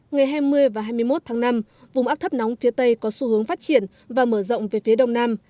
ngày hai mươi và hai mươi một tháng năm vùng áp thấp nóng phía tây có xu hướng phát triển và mở rộng về phía đông nam